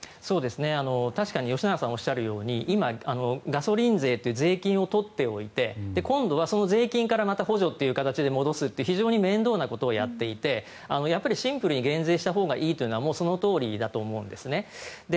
確かに吉永さんがおっしゃるように今、ガソリン税という税金を取っておいて今度は税金から補助という形で戻すという非常に面倒なことをやっていてシンプルに減税したほうがいいというのはそのとおりだと思うんです。